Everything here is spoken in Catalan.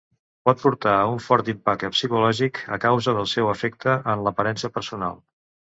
Pot portar a un fort impacte psicològic a causa del seu efecte en l'aparença personal.